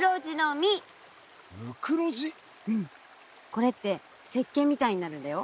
これって石けんみたいになるんだよ。